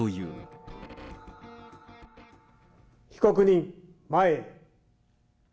被告人、前へ。